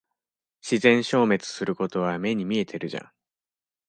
自然消滅することは目に見えてるじゃん。